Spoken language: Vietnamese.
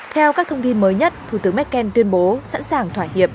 theo các thông tin mới nhất thủ tướng merkel tuyên bố sẵn sàng thỏa hiệp